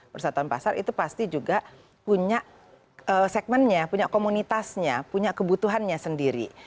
persatuan pasar itu pasti juga punya segmennya punya komunitasnya punya kebutuhannya sendiri